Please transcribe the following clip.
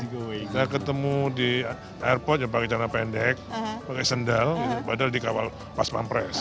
kita ketemu di airport pakai jalan pendek pakai sendal padahal di kawal pas pampres